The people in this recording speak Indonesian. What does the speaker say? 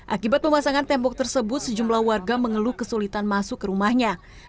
akibat pemasangan tembok tersebut sejumlah warga mengeluh kesulitan masuk ke rumahnya